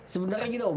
sebenarnya gitu om